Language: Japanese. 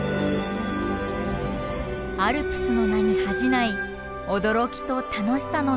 アルプスの名に恥じない驚きと楽しさの詰まった堂山。